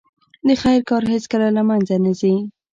د خیر کار هیڅکله له منځه نه ځي.